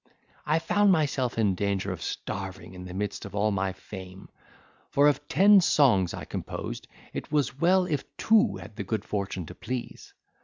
I found myself in danger of starving in the midst of all my fame; for of ten songs I composed, it was well if two had the good fortune to please.